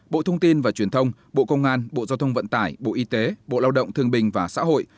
bộ thông tin và truyền thông bộ công an bộ giao thông vận tải bộ y tế bộ lao động thương bình và xã hội